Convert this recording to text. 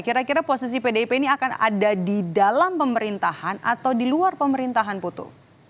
kira kira posisi pdip ini akan ada di dalam pemerintahan atau di luar pemerintahan putu